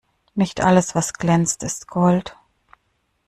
Nicht alles, was glänzt, ist Gold.